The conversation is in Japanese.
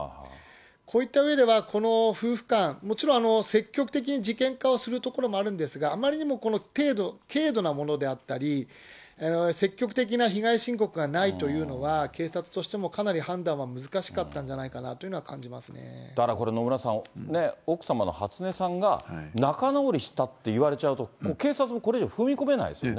こういったうえでは、この夫婦間、もちろん、積極的に事件化をするところもあるんですが、あまりにも軽度なものであったり、積極的な被害申告がないというのは、警察としてもかなり判断は難しかったんじゃないかなというのは感だからこれ、野村さん、奥様の初音さんが、仲直りしたって言われちゃうと、警察もこれ以上、踏み込めないですよね。